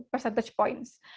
bahasanya seperti itu